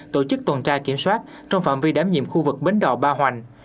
tổ chức tuần tra kiểm soát trong phạm vi đám nhiệm khu vực bến đỏ ba hoành